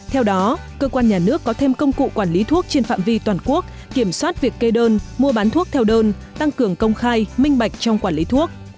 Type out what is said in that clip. theo đó cơ quan nhà nước có thêm công cụ quản lý thuốc trên phạm vi toàn quốc kiểm soát việc kê đơn mua bán thuốc theo đơn tăng cường công khai minh bạch trong quản lý thuốc